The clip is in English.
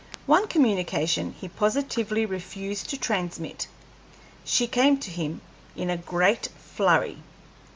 One communication he positively refused to transmit. She came to him in a great flurry.